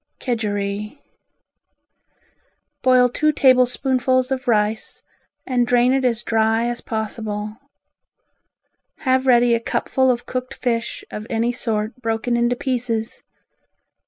Kedgeree Boil two tablespoonfuls of rice and drain it as dry as possible. Have ready a cupful of cooked fish of any sort broken into pieces.